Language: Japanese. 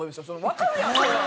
わかるやん！